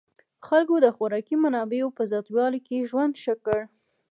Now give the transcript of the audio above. خلکو د خوراکي منابعو په زیاتوالي ژوند ښه کړ.